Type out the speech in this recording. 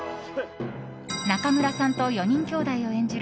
中村さんと４人きょうだいを演じる